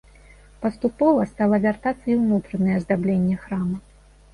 Паступова стала вяртацца і ўнутранае аздабленне храма.